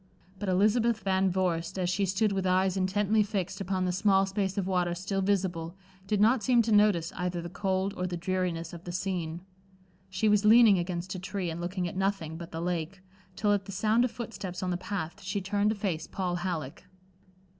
But Elizabeth Van Vorst as she stood with eyes intently fixed upon the small space of water still visible, did not seem to notice either the cold or the dreariness of the scene. She was leaning against a tree, and looking at nothing but the lake, till at the sound of foot steps on the path, she turned to face Paul Halleck.